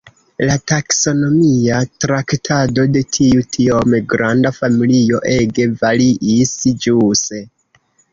La taksonomia traktado de tiu tiom granda familio ege variis ĵuse.